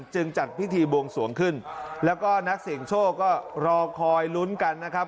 จัดพิธีบวงสวงขึ้นแล้วก็นักเสี่ยงโชคก็รอคอยลุ้นกันนะครับ